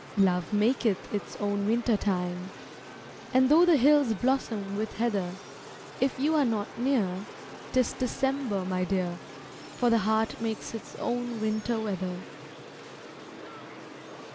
Love maketh its own winter time, And though the hills blossom with heather, If you are not near, 'tis December, my dear, For the heart makes its own winter weather.